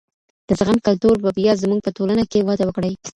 د زغم کلتور به بیا زمونږ په ټولنه کي وده وکړي.